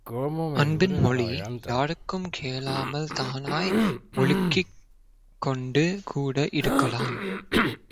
அன்பின் மொழி யாருக்கும் கேளாமல் தானாய் ஒழுகிக் கொண்டு கூட இருக்கலாம்